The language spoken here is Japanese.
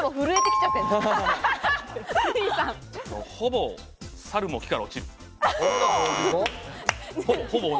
ほぼ猿も木から落ちる。